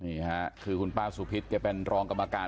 นี่ค่ะคือคุณป้าสวูนผิดเธอเป็นรองกรรมการ